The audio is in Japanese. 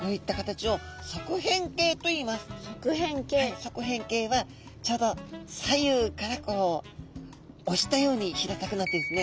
側扁形はちょうど左右からこうおしたように平たくなってるんですね。